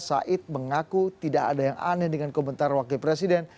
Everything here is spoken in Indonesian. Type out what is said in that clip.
said mengaku tidak ada yang aneh dengan komentar wakil presiden